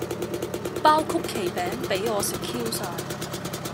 包曲奇餅比我食 Q 曬